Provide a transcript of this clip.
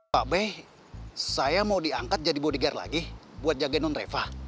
pak be saya mau diangkat jadi bodyguard lagi buat jaga nonreva